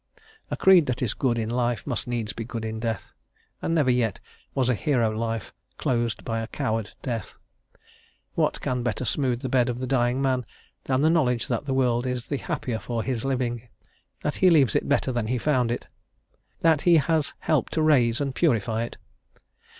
A creed that is good in life must needs be good in death, and never yet was a hero life closed by a coward death. What can better smooth the bed of the dying man than the knowledge that the world is the happier for his living, that he leaves it better than he found it, that he has helped to raise and to purify it?